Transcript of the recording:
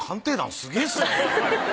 すげえっすね。